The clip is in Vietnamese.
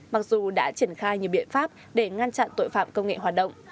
mặc dù đã triển khai nhiều biện pháp để ngăn chặn tội phạm công nghệ hoạt động